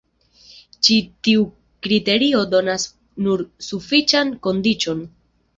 Ĉi tiu kriterio donas nur sufiĉan kondiĉon.